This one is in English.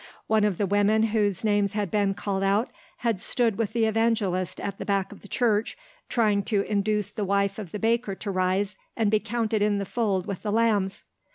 One of the women whose names had been called out had stood with the evangelist at the back of the church trying to induce the wife of the baker to rise and be counted in the fold with the lambs.